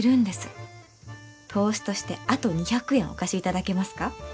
投資としてあと２００円お貸しいただけますか？